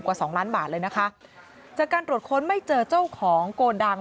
สองล้านบาทเลยนะคะจากการตรวจค้นไม่เจอเจ้าของโกดัง